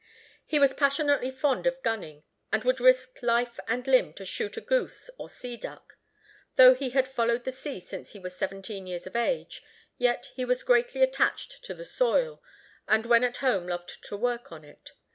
He was passionately fond of gunning, and would risk life and limb to shoot a goose or sea duck. Though he had followed the sea since he was seventeen years of age, yet he was greatly attached to the soil, and when at home loved to work on it.